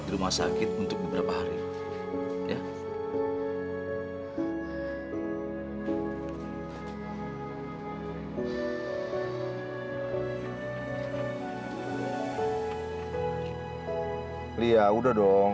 lia udah dong